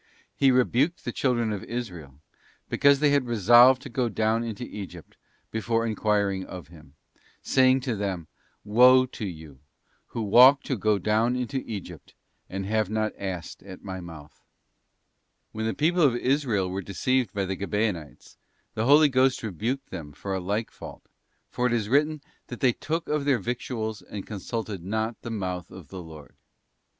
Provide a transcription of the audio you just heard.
He rebuked the children of Israel, because they had resolved to go down into Egypt before enquiring of Him, saying to them, 'Woe to you... who walk to go ered. 156 THE ASCENT OF MOUNT CARMEL. BOOK down into Egypt, and have not asked at my mouth.'* When "———— the people of Israel were deceived by the Gabaonites, the Holy Ghost rebuked them for a like fault, for it is written that 'they took of their victuals and consulted not the mouth of the Lord.